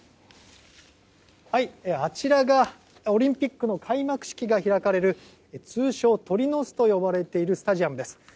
あちらがオリンピックの開幕式が開かれる通称鳥の巣と呼ばれているスタジアムです。